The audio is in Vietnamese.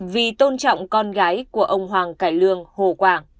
vì tôn trọng con gái của ông hoàng cải lương hồ quảng